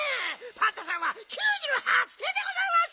パンタさんは９８てんでございます！